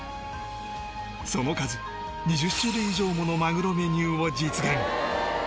その数２０種類以上ものマグロメニューを実現